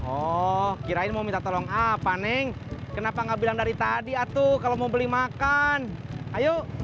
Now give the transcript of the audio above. oh kirain mau minta tolong ah panen kenapa nggak bilang dari tadi atuh kalau mau beli makan ayo